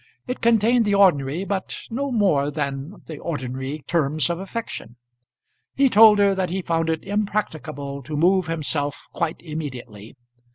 It contained the ordinary, but no more than the ordinary terms of affection. He told her that he found it impracticable to move himself quite immediately.